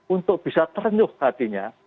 untuk bisa ternyuh hatinya